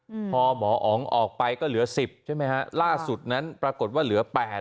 อืมพอหมออ๋องออกไปก็เหลือสิบใช่ไหมฮะล่าสุดนั้นปรากฏว่าเหลือแปด